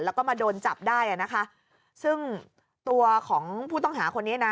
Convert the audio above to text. แล้วก็มาโดนจับได้อ่ะนะคะซึ่งตัวของผู้ต้องหาคนนี้นะ